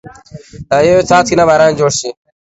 دا يو يو څاڅکي نه باران جوړ شي